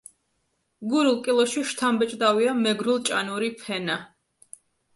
გურულ კილოში შთამბეჭდავია მეგრულ-ჭანური ფენა.